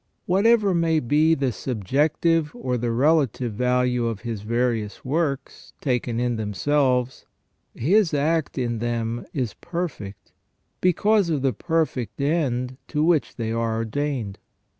Whatever may be the subjective or the relative value of His various works, taken in themselves, His act in them is perfect, because of the perfect end to which they are ordained.